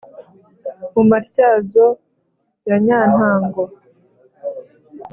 Mu Matyazo ya Nyantango